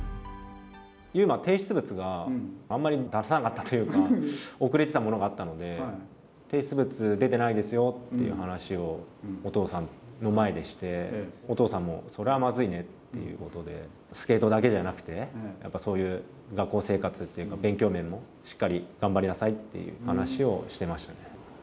優真、提出物があんまり出さなかったというか、遅れてたものがあったので、提出物出てないですよという話をお父さんの前でして、お父さんも、それはまずいねっていうことで、スケートだけじゃなくて、やっぱそういう学校生活っていうか、勉強面もしっかり頑張りなさいっていう話をしてましたね。